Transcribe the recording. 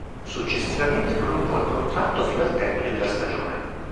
Successivamente, prolungò il contratto fino al termine della stagione.